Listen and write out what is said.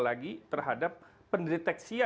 lagi terhadap pendeteksi